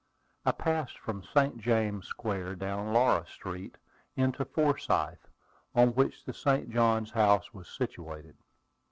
I passed from St. James Square down Laura Street, into Forsyth, on which the St. Johns House was situated.